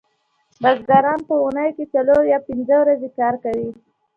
بزګران په اونۍ کې څلور یا پنځه ورځې کار کوي